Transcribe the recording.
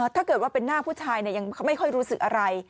ถ้าเกิดว่าเป็นหน้าผู้ชายยังไม่ค่อยรู้สึกอะไร